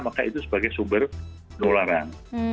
maka itu sebagai sumber penularan